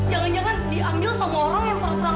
jangan jangan diambil seorang orang yang pernah perlahan